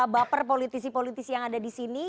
baper politisi politisi yang ada disini